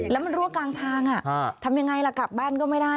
แล้วมันรั่วกลางทางทำยังไงล่ะกลับบ้านก็ไม่ได้